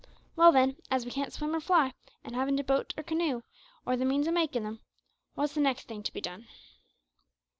Well, then, as we can't swim or fly, and haven't a boat or canoe, or the means o' makin' em, what's the next thing to be done?"